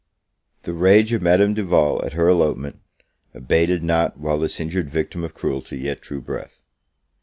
The rage of Madame Duval at her elopement, abated not while this injured victim of cruelty yet drew breath.